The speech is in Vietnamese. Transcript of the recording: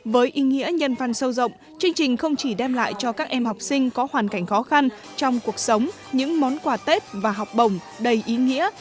với ý nghĩa nhân văn sâu rộng chương trình không chỉ đem lại cho các em học sinh có hoàn cảnh khó khăn trong cuộc sống những món quà tết và học bổng đầy ý nghĩa